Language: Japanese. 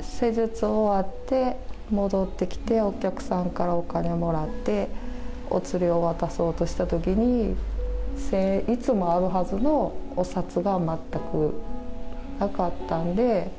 施術終わって、戻ってきて、お客さんからお金をもらって、お釣りを渡そうとしたときに、いつもあるはずのお札が全くなかったので。